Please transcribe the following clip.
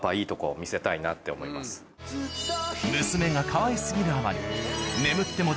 娘がかわい過ぎるあまり